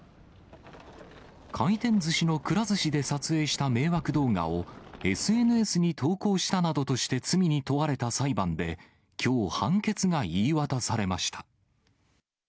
回転ずしのくら寿司で撮影した迷惑動画を、ＳＮＳに投稿したなどとして罪に問われた裁判で、きょう判決が言い渡されました。